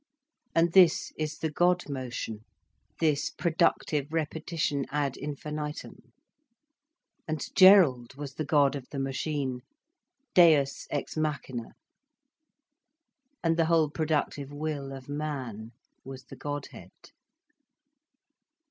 And this is the God motion, this productive repetition ad infinitum. And Gerald was the God of the machine, Deus ex Machina. And the whole productive will of man was the Godhead.